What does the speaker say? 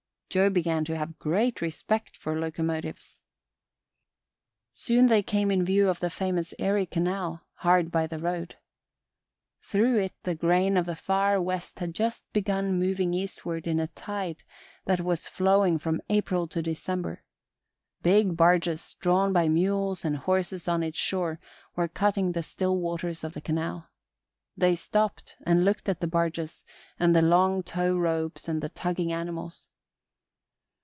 Joe began to have great respect for locomotives. Soon they came in view of the famous Erie Canal, hard by the road. Through it the grain of the far West had just begun moving eastward in a tide that was flowing from April to December. Big barges, drawn by mules and horses on its shore, were cutting the still waters of the canal. They stopped and looked at the barges and the long tow ropes and the tugging animals.